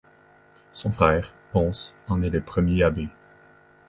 Son frère, Ponce, en est le premier abbé.